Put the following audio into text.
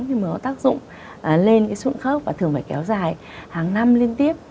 thì mới có tác dụng lên cái sụn khớp và thường phải kéo dài hàng năm liên tiếp